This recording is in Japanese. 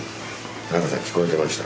田中さん聞こえてました？